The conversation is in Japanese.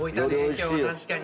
今日は確かにね。